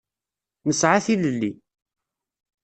Nesɛa tilelli.